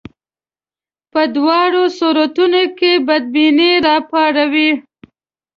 په دواړو صورتونو کې بدبیني راپاروي.